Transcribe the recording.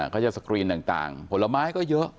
เขาจะสกรีนต่างผลไม้ก็เยอะ